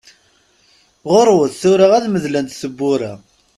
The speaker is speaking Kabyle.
Ɣuṛwat, tura ad medlent teppura!